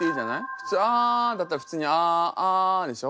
普通「あ」だったら普通に「ああ」でしょ。